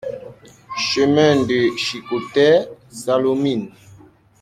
Chemin de Chiconet, Sallaumines